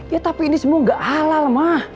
ya tapi ini semua gak halal mah